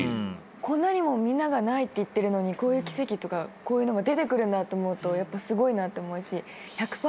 こんなにもみんながないって言ってるのにこういう奇跡とかこういうのが出てくるんだと思うとやっぱすごいなと思うし。